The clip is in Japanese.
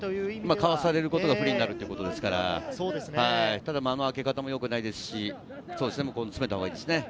かわされることは不利になるってことですから、あけ方もよくないですし、詰めたほうがいいですね。